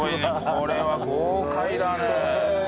これは豪快だね。